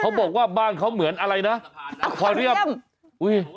เขาบอกว่าบ้านเขาเหมือนอะไรนะคอเรียมอุ้ย